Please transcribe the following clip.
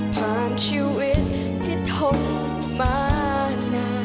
ผ่านชีวิตที่ทนมานาน